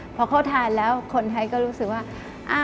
พอเขาทานแล้วคนไทยก็รู้สึกว่า